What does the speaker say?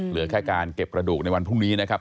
เหลือแค่การเก็บกระดูกในวันพรุ่งนี้นะครับ